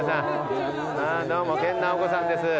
どうも研ナオコさんです。